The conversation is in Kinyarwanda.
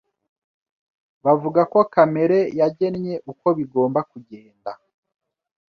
Bavuga ko kamere yagennye uko bigomba kugenda